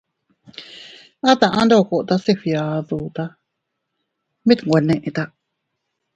At a aʼa ndokota se fgiaduta, mit nwe neʼta.